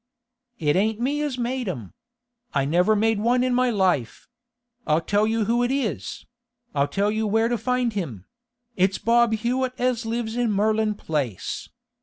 'It ain't me as made 'em! I never made one in my life! I'll tell you who it is—I'll tell you where to find him—it's Bob Hewett as lives in Merlin Place!